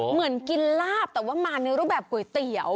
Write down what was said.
เหมือนกินลาบแต่ว่ามาในรูปแบบก๋วยเตี๋ยว